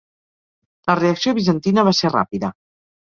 La reacció bizantina va ser ràpida.